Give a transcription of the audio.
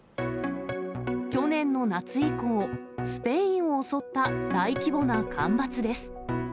去年の夏以降、スペインを襲った大規模な干ばつです。